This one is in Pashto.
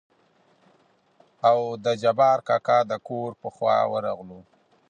او د جبار کاکا دکور په خوا ورغلو.